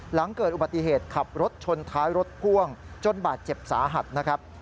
หลังเกิดอุบัติเหตุขับรถชนท้ายรถพ่วงจนบาดเจ็บสาหัสนะครับ